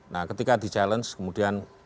nah ketika di challenge kemudian